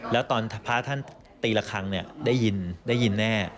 แล้วตอนพระท่านตีละครั้งได้ยินได้ยินแน่